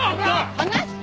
離して！